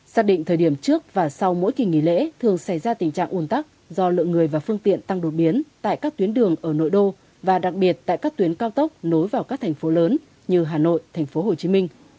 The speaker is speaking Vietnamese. xác định thời điểm trước và sau mỗi kỳ nghỉ lễ thường xảy ra tình trạng ồn tắc do lượng người và phương tiện tăng đột biến tại các tuyến đường ở nội đô và đặc biệt tại các tuyến cao tốc nối vào các thành phố lớn như hà nội thành phố hồ chí minh